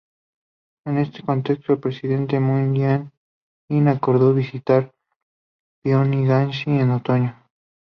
En este contexto, el presidente Moon Jae-in acordó visitar Pyongyang este otoño.